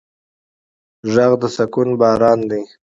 غږ د سکون باران دی